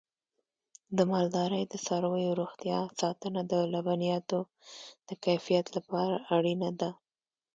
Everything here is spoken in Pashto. د مالدارۍ د څارویو روغتیا ساتنه د لبنیاتو د کیفیت لپاره اړینه ده.